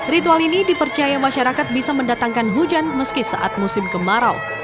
ritual ini dipercaya masyarakat bisa mendatangkan hujan meski saat musim kemarau